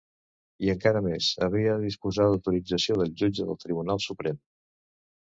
I encara més: havia de disposar d’autorització del jutge del Tribunal Suprem.